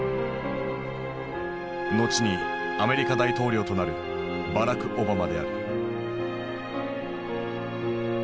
後にアメリカ大統領となるバラク・オバマである。